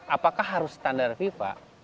apakah harus standar fifa